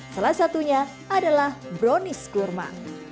salah satunya adalah brownies kurma